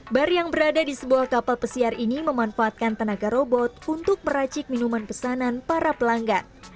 bar yang berada di sebuah kapal pesiar ini memanfaatkan tenaga robot untuk meracik minuman pesanan para pelanggan